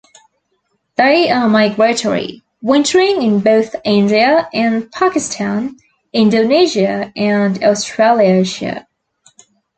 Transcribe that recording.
They are migratory, wintering in both India and Pakistan, Indonesia and Australasia.